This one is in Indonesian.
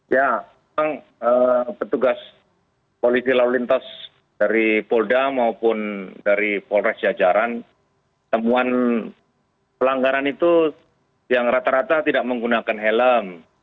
ya memang petugas polisi lalu lintas dari polda maupun dari polres jajaran temuan pelanggaran itu yang rata rata tidak menggunakan helm